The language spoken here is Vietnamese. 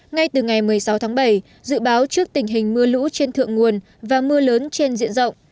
ngay từ ngày một mươi sáu tháng bảy dự báo trước tình hình mưa lũ trên thượng nguồn và mưa lớn trên diện rộng